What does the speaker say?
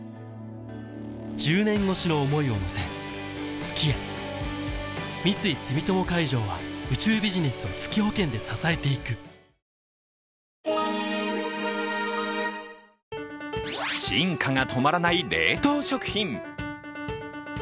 年越しの想いを乗せ月へ三井住友海上は宇宙ビジネスを月保険で支えていく進化が止まらない冷凍食品。